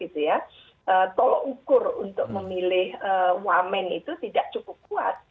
tol ukur untuk memilih wahmen itu tidak cukup kuat